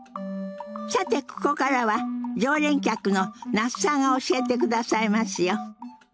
さてここからは常連客の那須さんが教えてくださいますよ。